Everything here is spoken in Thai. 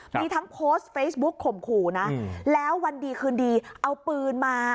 มีทั้งโพสต์เฟซบุ๊กข่มขู่นะแล้ววันดีคืนดีเอาปืนมา